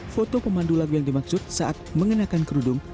foto pemandu lagu yang dimaksud saat mengenakan kerudung